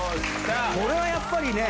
これはやっぱりね。